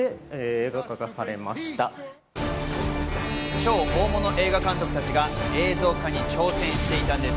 超大物映画監督たちが映像化に挑戦していたんです。